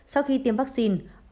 sau khi tiêm vaccine